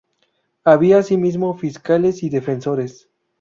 Había, asimismo, fiscales y defensores.